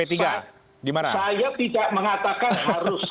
saya tidak mengatakan harus